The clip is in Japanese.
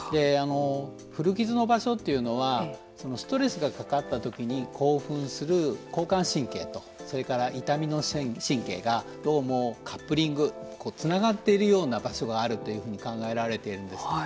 古傷の場所というのはストレスがかかったときに興奮する交感神経とそれから痛みの神経がどうもカップリングつながっているような場所があるというふうに考えられているんです。